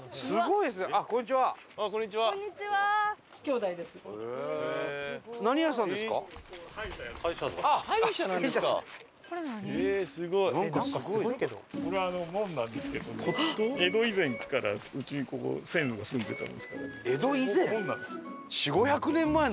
いやすごいですね。